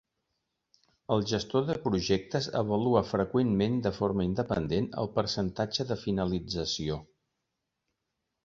El gestor de projectes avalua freqüentment de forma independent el percentatge de finalització.